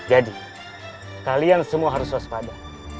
jadi kalian semua harus waspada